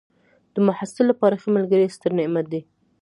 د محصل لپاره ښه ملګری ستر نعمت دی.